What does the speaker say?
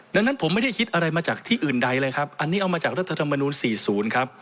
ดังนั้นผมไม่ได้คิดอะไรมาจากที่อื่นใดเลยครับอันนี้เอามาจากรัฐธรรมนูล๔๐ครับ